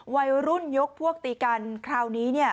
วัยรุ่นยกพวกตีกันคราวนี้เนี่ย